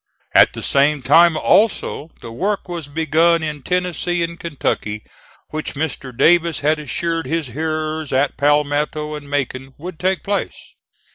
At the same time also the work was begun in Tennessee and Kentucky which Mr. Davis had assured his hearers at Palmetto and Macon would take place.